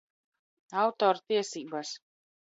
Autorties?bas